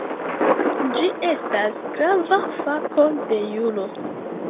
Ĝi estas grava fako de juro.